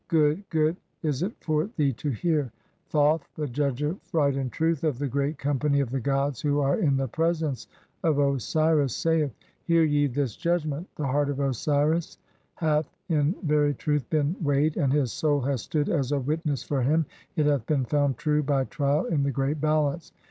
Good, good is it for thee to hear" Thoth, the judge of Right and Truth of the great company of the gods who are in the presence of Osiris, saith :— "Hear "ye this judgment. The heart of Osiris hath in very truth been "weighed, and his soul hath stood as a witness for him ; it hath "been found true by trial in the Great Balance.